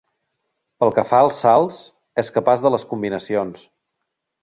Pel que fa als salts, és capaç de les combinacions.